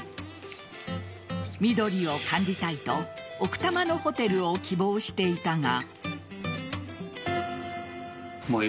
緑を感じたいと奥多摩のホテルを希望していたが。